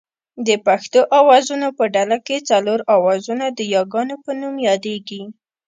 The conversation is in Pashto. د پښتو آوازونو په ډله کې څلور آوازونه د یاګانو په نوم یادېږي